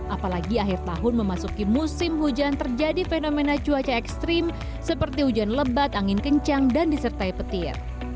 apalagi akhir tahun memasuki musim hujan terjadi fenomena cuaca ekstrim seperti hujan lebat angin kencang dan disertai petir